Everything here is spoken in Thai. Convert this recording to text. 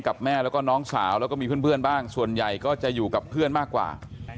แม่แล้วก็น้องสาวแล้วก็มีเพื่อนบ้างส่วนใหญ่ก็จะอยู่กับเพื่อนมากกว่า